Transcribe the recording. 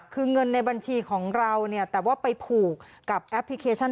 คือเงินในบัญชีของเราเนี่ยแต่ว่าไปผูกกับแอปพลิเคชัน